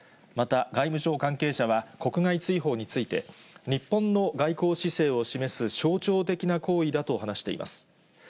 また、外務省関係者は国外追放について、日本の外交姿勢を示す象徴的な行為だと話しています。